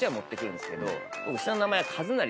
僕下の名前が。